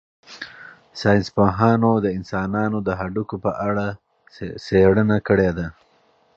ساینس پوهانو د انسانانو د هډوکو په اړه څېړنه کړې.